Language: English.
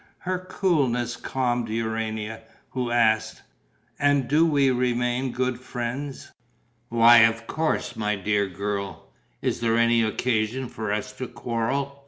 Her coolness calmed Urania, who asked: "And do we remain good friends?" "Why, of course, my dear girl. Is there any occasion for us to quarrel?